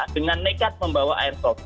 dengan nekat membawa airtrop